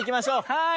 はい。